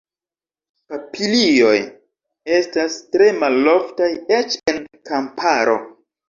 Papilioj estas tre maloftaj, eĉ en la kamparo.